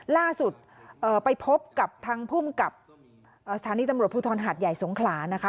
ล่าสุดไปพบกับทางภูมิกับสถานีตำรวจภูทรหาดใหญ่สงขลานะคะ